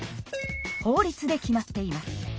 法律で決まっています。